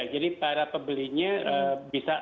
jadi para pembelinya bisa